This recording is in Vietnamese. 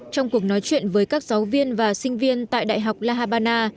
trong cuộc nói chuyện với các giáo viên và sinh viên tại đại học la habana